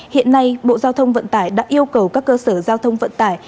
hiện nay bộ giao thông vận tải đã yêu cầu các cơ sở giao thông vận tải